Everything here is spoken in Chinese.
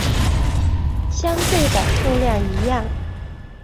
相对的数量一样。